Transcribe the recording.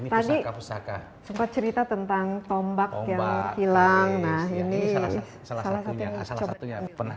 tadi pasca pasca sempat cerita tentang tombak yang hilang nah ini salah satunya salah satunya pernah